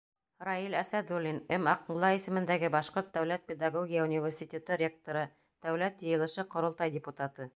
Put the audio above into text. Раил ӘСӘҘУЛЛИН, М. Аҡмулла исемендәге Башҡорт дәүләт педагогия университеты ректоры, Дәүләт Йыйылышы — Ҡоролтай депутаты: